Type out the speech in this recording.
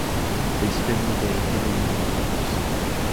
They spend the day hidden in the leaves.